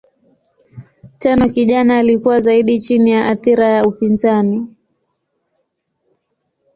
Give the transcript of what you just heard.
Tenno kijana alikuwa zaidi chini ya athira ya upinzani.